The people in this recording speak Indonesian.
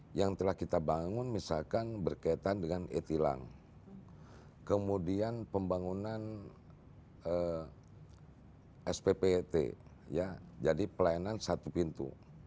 di antaranya yang telah kita bangun misalkan berkaitan dengan etlang kemudian pembangunan sppet jadi pelayanan satu pintu